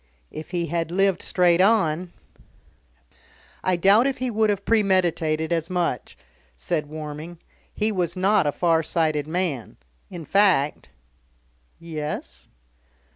If he had lived straight on " "I doubt if he would have premeditated as much," said Warming. "He was not a far sighted man. In fact " "Yes?"